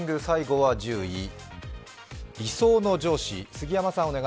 最後は１０位、理想の上司です。